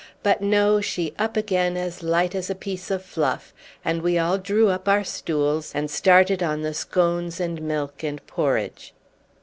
But no, she up again as light as a piece of fluff, and we all drew up our stools and started on the scones and milk and porridge.